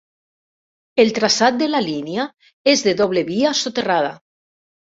El traçat de la línia és de doble via soterrada.